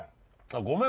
ごめん。